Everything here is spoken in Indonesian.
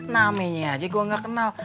namanya aja gue gak kenal